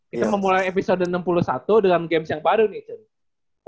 kita memulai episode enam puluh satu dengan games yang baru nih